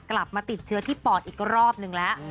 กลับมาติดเชื้อที่ปอดอีกรอบนึงแล้ว